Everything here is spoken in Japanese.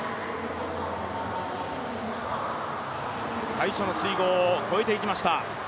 最初の水濠を越えていきました。